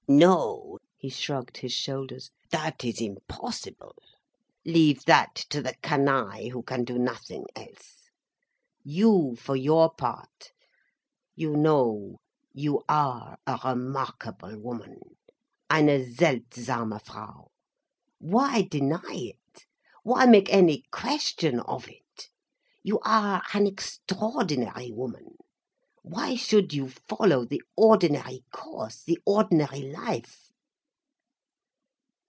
No—" he shrugged his shoulders—"that is impossible. Leave that to the canaille who can do nothing else. You, for your part—you know, you are a remarkable woman, eine seltsame Frau. Why deny it—why make any question of it? You are an extraordinary woman, why should you follow the ordinary course, the ordinary life?"